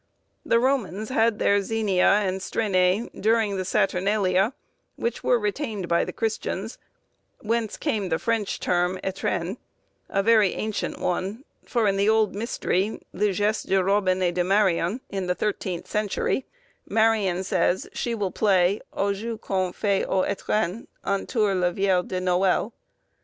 The Romans had their Xenia and Strenæ, during the Saturnalia, which were retained by the Christians, whence came the French term étrennes; a very ancient one, for in the old mystery, "Li Gieus de Robin et de Marion," in the thirteenth century, Marion says, she will play, "aux jeux qu'on fait aux étrennes, entour la veille de Noël."